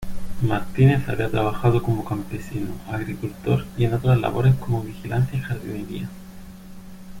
Martínez había trabajado como campesino, agricultor y en otras labores como vigilancia y jardinería.